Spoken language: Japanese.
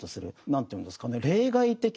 何ていうんですかねなるほど。